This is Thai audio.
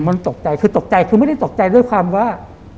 มันตกใจคือตกใจคือไม่ได้ตกใจด้วยความว่า